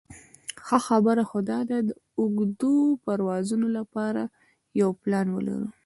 ښه خبره خو داده د اوږدو پروازونو لپاره یو پلان ولرو.